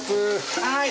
はい。